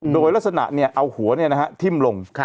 โดยลักษณะเนี่ยเอาหัวเนี่ยนะฮะทิ้มลง